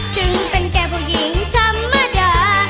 ถึงเป็นแก่ผู้หญิงธรรมดา